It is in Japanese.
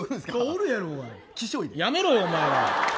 やめろよ、お前！